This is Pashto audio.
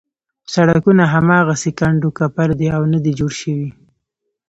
سړکونه هماغسې کنډو کپر دي او نه دي جوړ شوي.